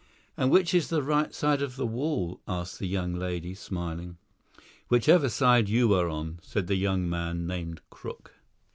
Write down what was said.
"And which is the right side of the wall?" asked the young lady, smiling. "Whichever side you are on," said the young man named Crook.